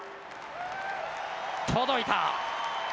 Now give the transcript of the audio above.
届いた。